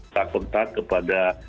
tak kontak kepada